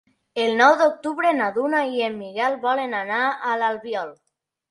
El nou d'octubre na Duna i en Miquel volen anar a l'Albiol.